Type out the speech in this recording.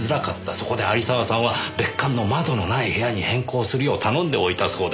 そこで有沢さんは別館の窓のない部屋に変更するよう頼んでおいたそうです。